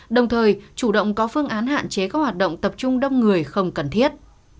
đồng thời chủ động có phương án hạn chế các hoạt động tập trung đông người không cần thiết